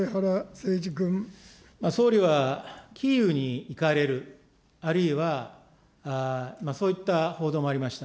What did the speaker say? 総理は、キーウに行かれる、あるいはそういった報道もありました。